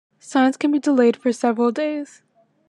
Signs can be delayed for several days.